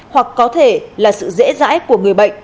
hoặc có thể là sự dễ dãi của người bệnh